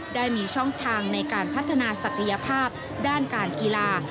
ได้มีช่องทางในการพัฒนาศักยภาพด้านการกีฬา